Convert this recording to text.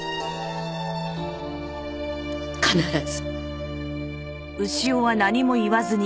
必ず。